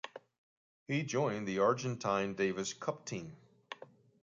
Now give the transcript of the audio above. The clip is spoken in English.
He joined the Argentine Davis Cup team.